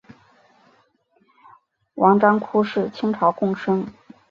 王章枯是清朝贡生。